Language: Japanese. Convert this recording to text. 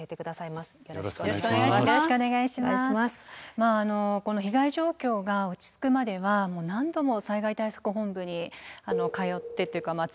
まああのこの被害状況が落ち着くまでは何度も災害対策本部に通ってというか詰めてですね